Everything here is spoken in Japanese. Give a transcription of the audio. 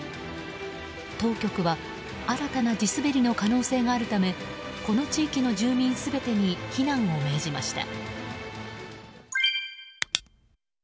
当局は、新たな地滑りの可能性があるためこの地域の住民全てに避難を命じました。